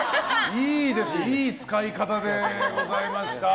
いい使い方でございました。